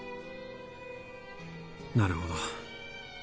なるほど。